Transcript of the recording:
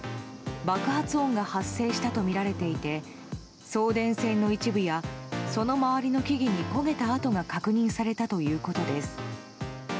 爆発音が発生したとみられていて送電線の一部やその周りの木々に焦げた跡が確認されたということです。